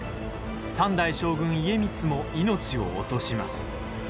３代将軍家光も命を落とします。